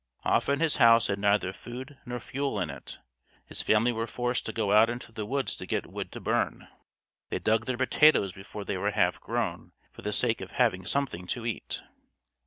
Often his house had neither food nor fuel in it; his family were forced to go out into the woods to get wood to burn. "They dug their potatoes before they were half grown, for the sake of having something to eat."